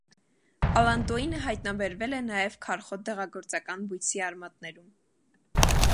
Ալանտոինը հայտնաբերվել է նաև քարխոտ դեղագործական բույսի արմատներում։